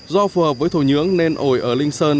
do phù hợp với thổ nhưỡng nên ổi ở linh sơn